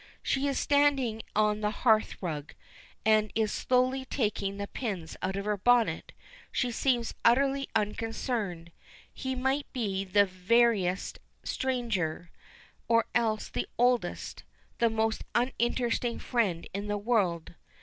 She is standing on the hearthrug, and is slowly taking the pins out of her bonnet. She seems utterly unconcerned. He might be the veriest stranger, or else the oldest, the most uninteresting friend in the world.